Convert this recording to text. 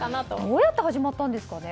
どうやって始まったんですかね。